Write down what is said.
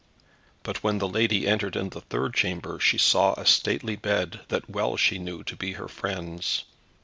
But when the lady entered in the third chamber she saw a stately bed, that well she knew to be her friend's.